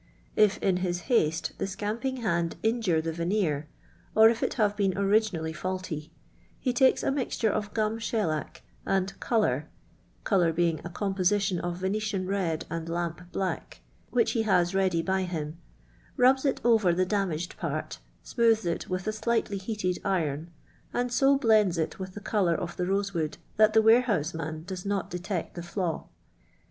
If in his haste the scamping hand injure the veneer, or if it have been originally faulty, be takes a mixture of gum shellac and " colour" (colour being a composition of Venetian red and lamp black), which he has ready by him, rubs it over the damaged part smooths it with a slightly heated iron, and so blends it with the colour of the rosewood that the warehouseman does not detect the flaw.